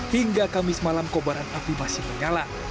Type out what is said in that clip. hingga kamis malam kobaran api masih menyala